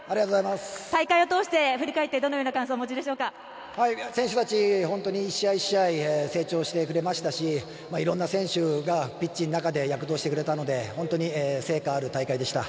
大会を通して振り返って、どのような感想を選手たち、本当に１試合１試合成長してくれましたしいろんな選手がピッチの中で躍動してくれたので本当に成果ある大会でした。